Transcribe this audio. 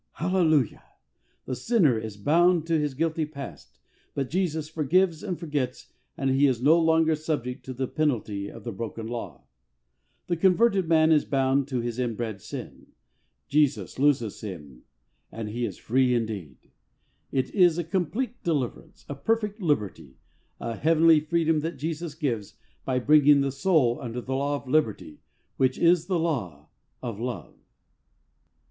Hallelujah ! The sinner is bound tp his guilty past, but Jesus forgives and forgets it, and he is no longer subject to the penalty of the broken law. The converted man is bound to his inbred sin, Jesus looses him and he is free indeed. It is a complete deliver ance, a perfect liberty, a heavenly freedom that Jesus gives, by bringing the soul under the law of liberty, which is the law of Love.